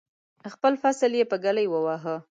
خپل فصل یې په ږلۍ وواهه.